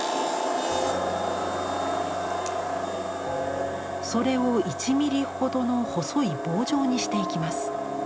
それを１ミリほどの細い棒状にしていきます。